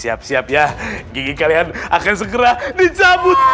siap siap ya gigi kalian akan segera dicabut